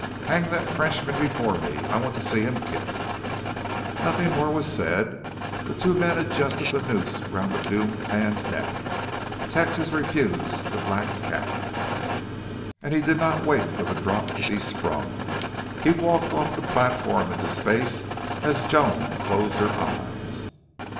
"Hang that Frenchman before me! I want to see him kick." Nothing more was said. The two men adjusted the noose round the doomed man's neck. Texas refused the black cap. And he did not wait for the drop to be sprung. He walked off the platform into space as Joan closed her eyes.